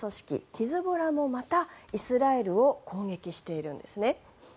ヒズボラもまたイスラエルを攻撃しているんです。